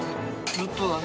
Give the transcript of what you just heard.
ずっとだね。